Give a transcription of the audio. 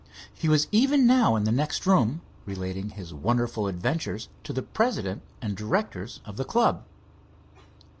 He was even now in the next room, relating his wonderful adventures to the president and directors of the club.